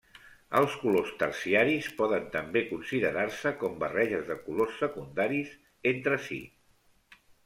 Els colors terciaris poden també considerar-se com barreges de colors secundaris, entre si.